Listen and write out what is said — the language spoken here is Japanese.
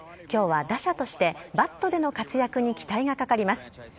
きょうは打者として、バットでの活躍に期待がかかります。